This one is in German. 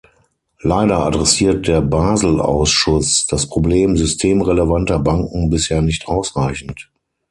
Leider adressiert der Basel-Ausschuss das Problem systemrelevanter Banken bisher nicht ausreichend.